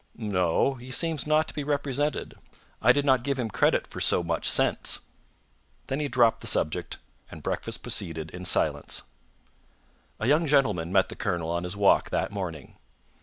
"No; he seems not to be represented. I did not give him credit for so much sense." Then he dropped the subject, and breakfast proceeded in silence. A young gentleman met the colonel on his walk that morning.